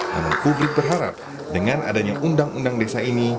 namun publik berharap dengan adanya undang undang desa ini